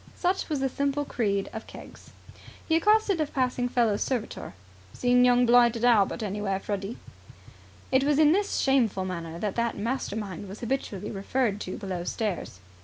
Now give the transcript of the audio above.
Such was the simple creed of Keggs. He accosted a passing fellow servitor. "Seen young blighted Albert anywhere, Freddy?" It was in this shameful manner that that mastermind was habitually referred to below stairs.